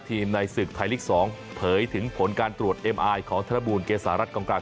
ทีมในศึกไทยลิกสองเผยถึงผลการตรวจเอ็มไอของธนบูรณ์เกษารัฐกองการ